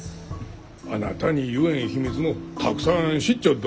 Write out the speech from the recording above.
あなたに言えん秘密もたくさん知っちょっど。